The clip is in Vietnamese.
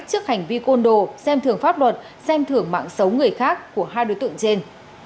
trước hành vi côn đồ xem thường pháp luật xem thưởng mạng xấu người khác của hai đối tượng trên